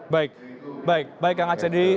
baik baik kang aceh